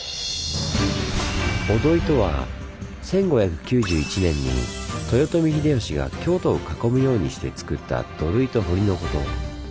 御土居とは１５９１年に豊臣秀吉が京都を囲むようにしてつくった土塁と堀のこと。